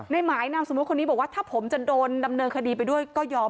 ในหมายนามสมมุติคนนี้บอกว่าถ้าผมจะโดนดำเนินคดีไปด้วยก็ยอม